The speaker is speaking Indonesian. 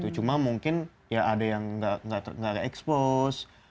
cuma mungkin ya ada yang gak ke expose